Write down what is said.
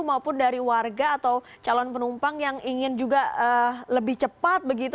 maupun dari warga atau calon penumpang yang ingin juga lebih cepat begitu